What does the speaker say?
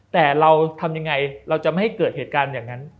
แต่เราทำยังไงเราจะไม่ให้เกิดเหตุการณ์อย่างนั้น